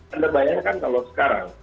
anda bayangkan kalau sekarang